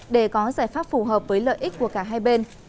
để có giải pháp phù hợp với lợi ích của cả hai bên